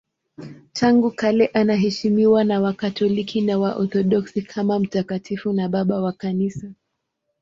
Tangu kale anaheshimiwa na Wakatoliki na Waorthodoksi kama mtakatifu na Baba wa Kanisa.